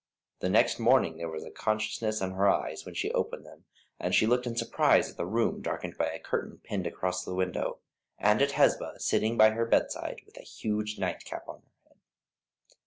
The next morning there was consciousness in her eyes when she opened them, and she looked in surprise at the room darkened by a curtain pinned across the window, and at Hesba, sitting by her bedside, with a huge nightcap on her head.